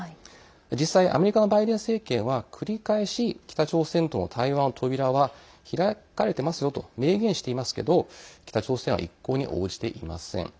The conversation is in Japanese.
実際、アメリカのバイデン政権は繰り返し、北朝鮮との対話の扉は開かれていますよと明言していますけど北朝鮮は一向に応じていません。